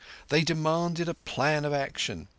They demanded a plan of action.